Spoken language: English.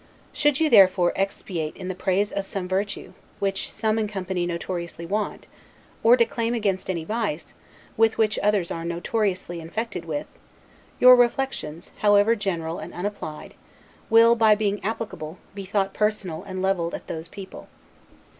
Should you therefore expatiate in the praise of some virtue, which some in company notoriously want; or declaim against any vice, which others are notoriously infected with, your reflections, however general and unapplied, will, by being applicable, be thought personal and leveled at those people.